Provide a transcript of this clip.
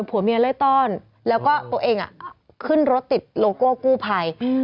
ผัวเมียไล่ต้อนแล้วก็ตัวเองขึ้นรถติดโลโก้กู้ภัย